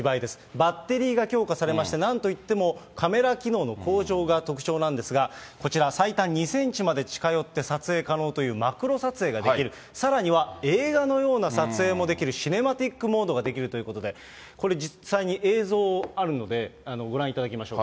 バッテリーが強化されまして、なんといってもカメラ機能の向上が特徴なんですが、こちら、最短２センチまで近寄って撮影可能というマクロ撮影ができる、さらには、映画のような撮影もできる、シネマティックモードができるということで、これ、実際に映像あるのでご覧いただきましょう。